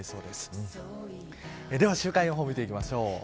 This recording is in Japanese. では週間予報を見ていきましょう。